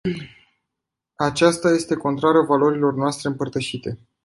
Aceasta este contrară valorilor noastre împărtășite.